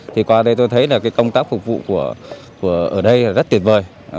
thì qua đây tôi thấy là cái công tác phục vụ ở đây là rất tuyệt vời